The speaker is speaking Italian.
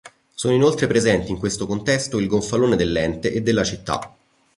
Sono inoltre presenti in questo contesto il gonfalone dell'ente e della città.